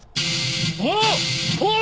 あっ！